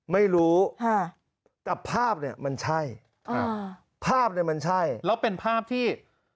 ไม่รู้ค่ะแต่ภาพเนี่ยมันใช่ครับภาพเนี่ยมันใช่แล้วเป็นภาพที่